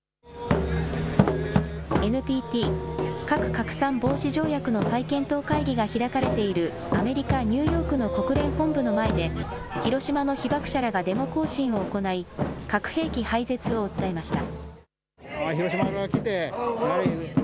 ＮＰＴ・核拡散防止条約の再検討会議が開かれているアメリカ・ニューヨークの国連本部の前で広島の被爆者らがデモ行進を行い核兵器廃絶を訴えました。